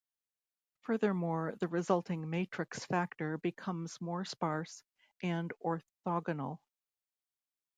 Furthermore, the resulting matrix factor becomes more sparse and orthogonal.